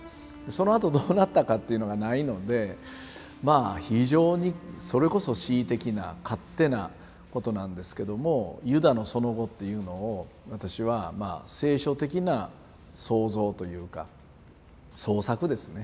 そのあとどうなったかっていうのがないのでまあ非常にそれこそ恣意的な勝手なことなんですけどもユダのその後っていうのを私はまあ聖書的な創造というか創作ですね